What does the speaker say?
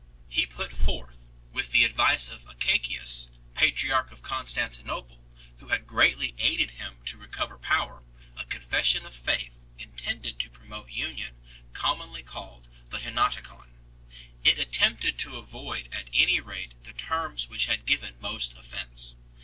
He put forth, with the advice of Acacius, patriarch of Constanti nople, who had greatly aided him to recover power, a Confession of Faith intended to promote union, commonly called the Henoticon \ It attempted to avoid at any rate the terms which had given most offence.